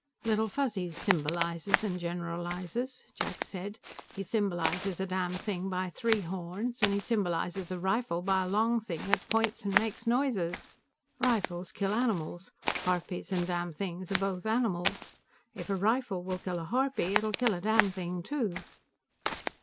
"Little Fuzzy symbolizes and generalizes," Jack said. "He symbolizes a damnthing by three horns, and he symbolizes a rifle by a long thing that points and makes noises. Rifles kill animals. Harpies and damnthings are both animals. If a rifle will kill a harpy, it'll kill a damnthing too."